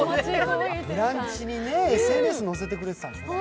「ブランチ」にねＳＮＳ載せてくれてたんですね。